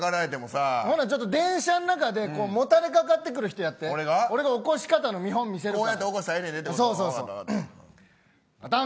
電車の中でもたれかかってくる人やって俺が起こし方の見本見せるから。